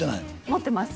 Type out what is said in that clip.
持ってます